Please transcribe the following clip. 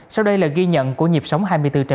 sau đây là ghi nhận của nhịp sống hai mươi bốn trên bảy